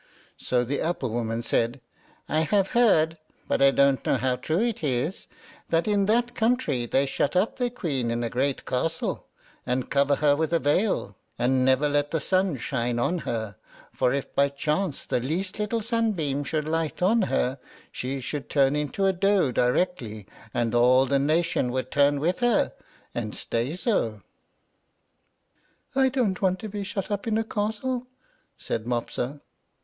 So the apple woman said, "I have heard, but I don't know how true it is, that in that country they shut up their queen in a great castle, and cover her with a veil, and never let the sun shine on her; for if by chance the least little sunbeam should light on her she would turn into a doe directly, and all the nation would turn with her, and stay so." "I don't want to be shut up in a castle," said Mopsa.